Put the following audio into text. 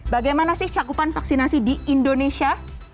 bagaimana sih cakupan vaksinasi di indonesia